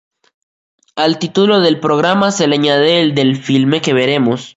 Al título del programa se le añade el del filme que veremos.